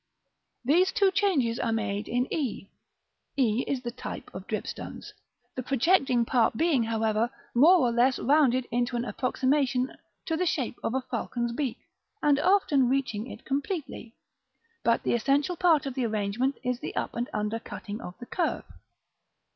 These two changes are made in e: e is the type of dripstones; the projecting part being, however, more or less rounded into an approximation to the shape of a falcon's beak, and often reaching it completely. But the essential part of the arrangement is the up and under cutting of the curve.